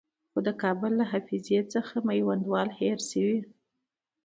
خو د کابل له حافظې څخه میوندوال هېر شوی.